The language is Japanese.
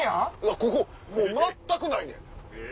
ここ全くないねん。